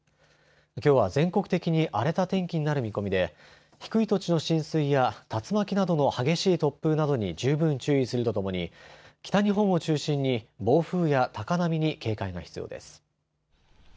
きょうは全国的に荒れた天気になる見込みで低い土地の浸水や竜巻などの激しい突風などに十分注意するとともに北日本を中心に暴風や高波に警戒が必要です。